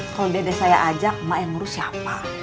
kalo dedeh saya ajak mak yang ngurus siapa